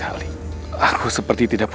jika kau lawrence menolakanku